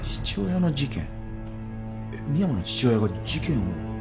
深山の父親が事件を？